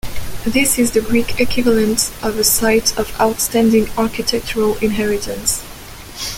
This is the Greek equivalent of a site of Outstanding Architectural Inheritance.